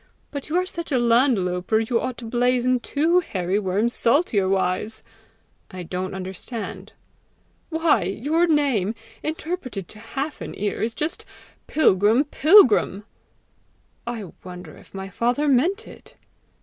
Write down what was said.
But you are such a land louper, you ought to blazon two hairy worms saltier wise." "I don't understand." "Why, your name, interpreted to half an ear, is just PILGRIM PILGRIM!" "I wonder if my father meant it!"